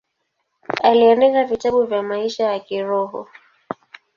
Aliandika vitabu vya maisha ya kiroho.